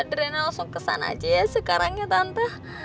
adriana langsung kesana aja ya sekarang ya tante